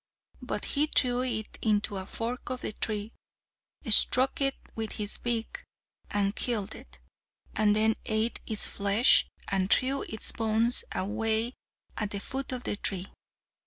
But he threw it into a fork of the tree, struck it with his beak, and killed it; and then ate its flesh, and threw its bones away at the foot of the tree.